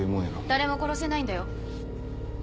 誰も殺せないんだよ。